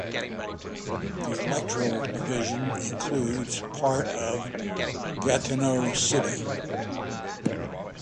The electoral division includes part of Gatineau city.